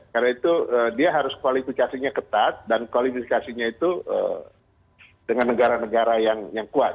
karena itu dia harus kualifikasinya ketat dan kualifikasinya itu dengan negara negara yang kuat